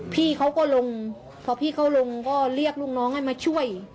พี่เขาก็ลงพอพี่เขาลงก็เรียกลูกน้องให้มาช่วย